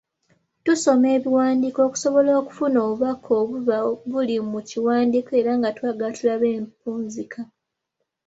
Tusoma ebiwandiiko okusobola okufuna obubaka obuba buli mu kiwandiiko era nga twagala tulabe empunzika.